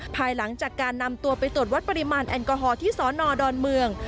ภายหลังจากการนำตัวไปตรวจวัดปริมาณแอลกอฮอล์ที่สอนอดอนเมือง